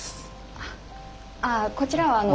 ああこちらはあの。